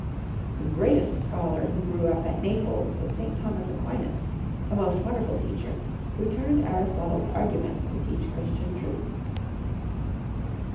The greatest scholar who grew up at Naples was St. Thomas Aquinas, a most wonderful teacher, who turned Aristotle's argiunents to teach Christian truth.